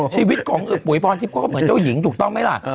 ชีวิตของปุ๋ยพรทิพย์เขาก็เหมือนเจ้าหญิงถูกต้องไหมล่ะ